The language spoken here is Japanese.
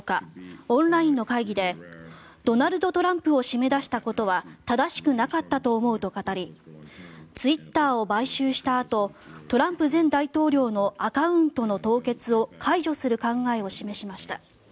オンラインの会議でドナルド・トランプを締め出したことは正しくなかったと思うと語りツイッターを買収したあとトランプ前大統領のアカウントの凍結を解除する考えを示しました。